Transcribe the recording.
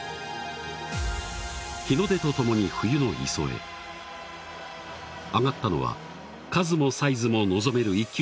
日の出と共に冬の磯へ上がったのは数もサイズも望める一級